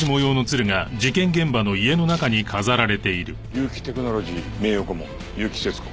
結城テクノロジー名誉顧問結城節子。